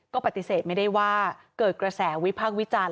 ก็ปฏิเสธไม่ได้ว่าเกิดกระแสวิพากษ์วิจารณ